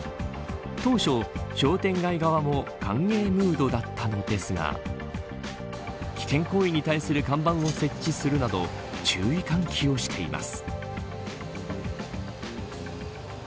当初、商店街側も歓迎ムードだったのですが危険行為に対する看板を設置するなど注意喚起をしています。